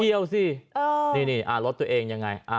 เกี่ยวสินี่รถตัวเองยังไง